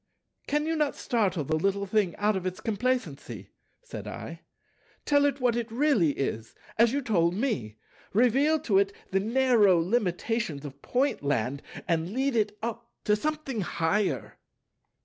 "Can you not startle the little thing out of its complacency?" said I. "Tell it what it really is, as you told me; reveal to it the narrow limitations of Pointland, and lead it up to something higher."